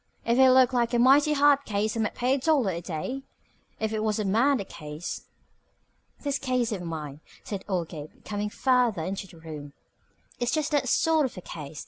"If it looked like a mighty hard case I might pay a dollar a day if it was a murder case." "This case of mine," said old Gabe, coming farther into the room, "is just that sort of a case.